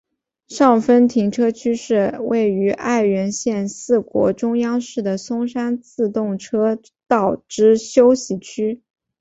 上分停车区是位于爱媛县四国中央市的松山自动车道之休息区。